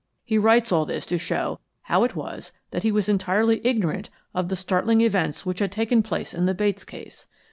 He writes all this to show how it was that he was entirely ignorant of the startling events which had taken place in the Bates case.